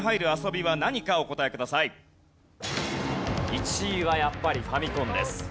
１位はやっぱりファミコンです。